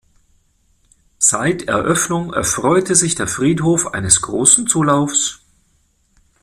Seit Eröffnung erfreute sich der Friedhof eines großen Zulaufs.